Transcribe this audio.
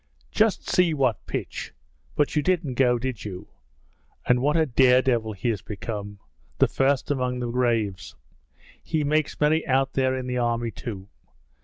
'Just see what pitch! But you didn't go, did you? And what a dare devil he has become: the first among the braves. He makes merry out there in the army too!